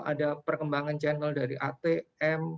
ada perkembangan channel dari atm